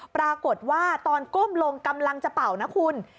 ปรากฏว่าตอนก้มลงกำลังจะเป่านะคุณ